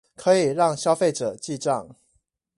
可以讓消費者記帳